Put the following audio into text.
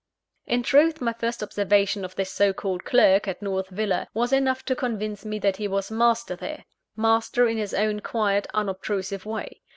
In truth, my first observation of this so called clerk, at North Villa, was enough to convince me that he was master there master in his own quiet, unobtrusive way.